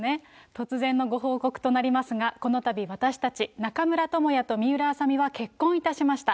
突然のご報告となりますが、このたび、私たち中村倫也と水卜麻美は結婚いたしました。